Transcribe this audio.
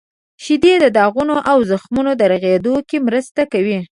• شیدې د داغونو او زخمونو د رغیدو کې مرسته کوي.